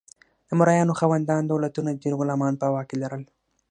د مرئیانو خاوندان دولتونه ډیر غلامان په واک کې لرل.